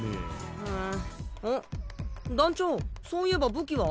団長そういえば武器は？